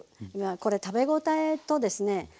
これ食べ応えとですね